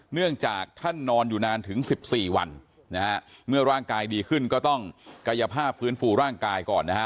เนื่องจากท่านนอนอยู่นานถึง๑๔วันนะฮะเมื่อร่างกายดีขึ้นก็ต้องกายภาพฟื้นฟูร่างกายก่อนนะฮะ